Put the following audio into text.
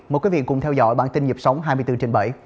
mời quý vị cùng theo dõi bản tin nhịp sống hai mươi bốn trên bảy